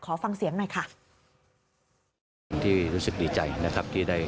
ขอฟังเสียงหน่อยค่ะ